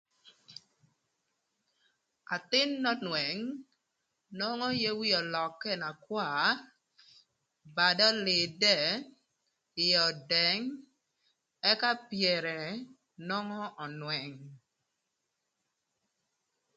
Athïn n'önwëng nwongo yer wie ölökë na kwar, badë ölïdë, ïë ödëng ëka pyërë nwongo önwëng